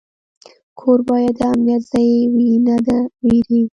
کور باید د امنیت ځای وي، نه د ویرې.